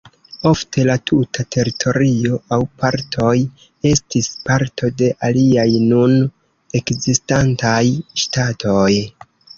Ofte la tuta teritorio aŭ partoj estis parto de aliaj nun ekzistantaj ŝtatoj.